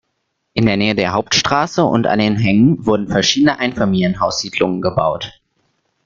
In der Nähe der Hauptstraße und an den Hängen wurden verschiedene Einfamilienhaussiedlungen gebaut.